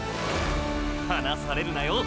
離されるなよ